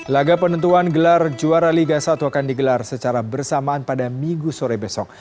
laga penentuan gelar juara liga satu akan digelar secara bersamaan pada minggu sore besok